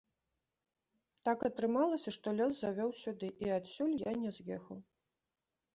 Так атрымалася, што лёс завёў сюды, і адсюль я не з'ехаў.